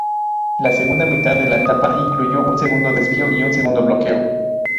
La segunda mitad de la etapa incluyó un segundo Desvío y un segundo Bloqueo.